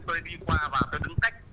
tôi đi qua và tôi đứng cách